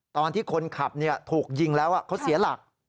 ตอนที่คนขับถูกยิงแล้วเขาเสียหลัก